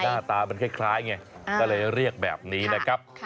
หน้าตามันคล้ายไงก็เลยเรียกแบบนี้นะครับ